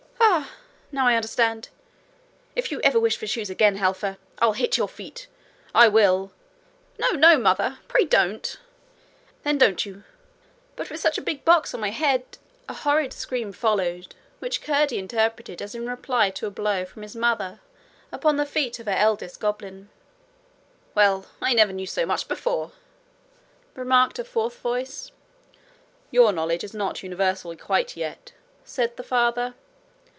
'Ah! now I understand. If ever you wish for shoes again, Helfer, I'll hit your feet I will.' 'No, no, mother; pray don't.' 'Then don't you.' 'But with such a big box on my head ' A horrid scream followed, which Curdie interpreted as in reply to a blow from his mother upon the feet of her eldest goblin. 'Well, I never knew so much before!' remarked a fourth voice. 'Your knowledge is not universal quite yet,' said the father.